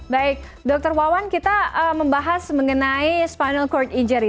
baik dokter wawan kita membahas mengenai spinal cord injury